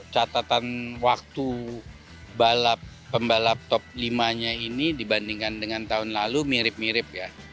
catatan waktu pembalap top lima nya ini dibandingkan dengan tahun lalu mirip mirip ya